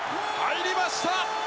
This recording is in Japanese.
入りました！